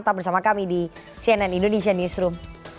tetap bersama kami di cnn indonesia newsroom